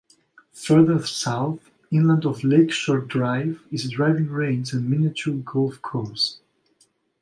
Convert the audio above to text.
Further south, inland of Lakeshore Drive, is a driving range and miniature golf course.